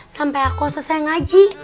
sampai aku selesai ngaji